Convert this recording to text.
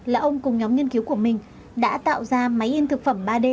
là ông cùng nhóm nghiên cứu của mình đã tạo ra máy in thực phẩm ba d